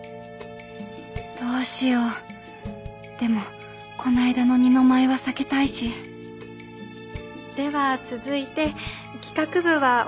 どうしようでもこないだの二の舞は避けたいしでは続いて企画部はオトワヤの何階に。